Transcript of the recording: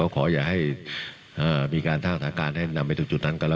ฟังสินนายกด้วยค่ะ